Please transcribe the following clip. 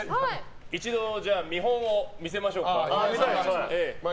一度、見本を見せましょうか。